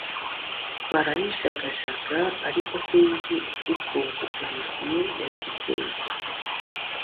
barayijagajaga ariko sinzi ukuntu Olivier yatekereje